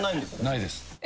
ないです。